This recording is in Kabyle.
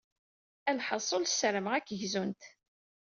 Lḥaṣul, ssarameɣ ad k-gzunt.